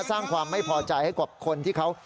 สร้างความไม่พอใจให้กับคนที่เขา